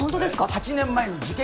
８年前の事件